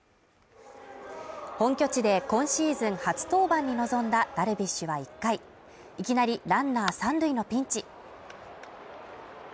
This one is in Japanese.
本拠地で今シーズン初登板に臨んだダルビッシュは１回いきなりランナー三塁のピンチ。